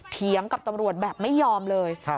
เถียงกับตำรวจแบบไม่ยอมเลย